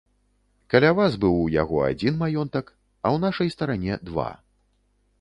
Каля вас быў у яго адзін маёнтак, а ў нашай старане два.